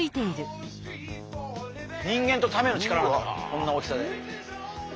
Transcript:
人間とタメの力があるこんな大きさで。